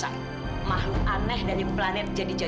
kamu harus percaya